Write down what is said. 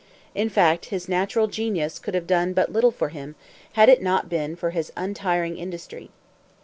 In fact, his natural genius could have done but little for him, had it not been for his untiring industry.